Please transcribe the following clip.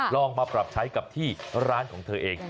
ลองมาปรับใช้กับที่ร้านของเธอเอง